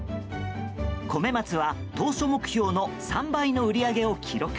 こめ松は当初目標の３倍の売り上げを記録。